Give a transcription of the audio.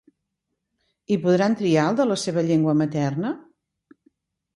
I podran triar el de la seva llengua materna?